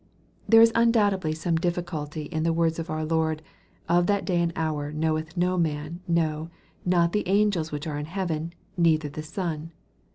* There is undoubtedly some difficulty in the words of our Lord, " Of that day and hour knoweth no man, no, not the angels which are in heaven, neither the Son."